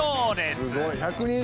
すごい。